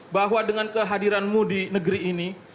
bahwa dengan kehadiranmu di negeri ini